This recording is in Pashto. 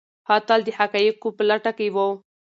هغه تل د حقایقو په لټه کي و.